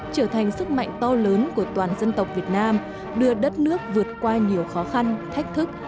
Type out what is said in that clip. trở thành sức mạnh to lớn của toàn dân tộc việt nam đưa đất nước vượt qua nhiều khó khăn thách thức